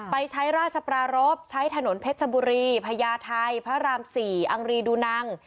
ไปใช้ราชปรารบใช้ถนนเพชรบุรีพญาไทยพระราม๔อังรีดูนัง